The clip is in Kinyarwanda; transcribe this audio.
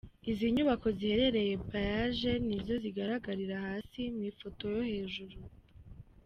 Izi nyubako ziherereye Payage, nizo zigaragarira hasi mu ifoto yo hejuru.